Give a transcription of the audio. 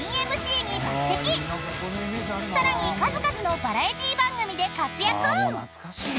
［さらに数々のバラエティー番組で活躍！］